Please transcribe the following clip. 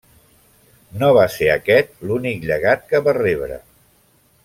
No va ser aquest l'únic llegat que va rebre.